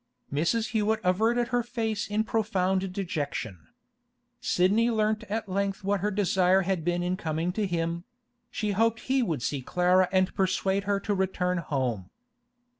Mrs. Hewett averted her face in profound dejection. Sidney learnt at length what her desire had been in coming to him; she hoped he would see Clara and persuade her to return home.